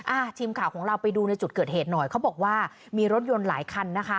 อ่าทีมข่าวของเราไปดูในจุดเกิดเหตุหน่อยเขาบอกว่ามีรถยนต์หลายคันนะคะ